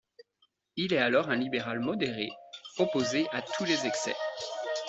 Il est alors un libéral modéré, opposé à tous les excès.